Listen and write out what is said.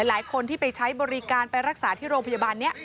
หลายคนที่ไปใช้บริการไปรักษาที่โรงพยาบาลนี้